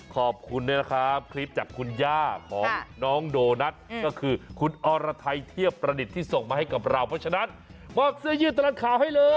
ขอบคุณนะครับคลิปจากคุณย่าของน้องโดนัทก็คือคุณอรไทยเทียบประดิษฐ์ที่ส่งมาให้กับเราเพราะฉะนั้นมอบเสื้อยืดตลอดข่าวให้เลย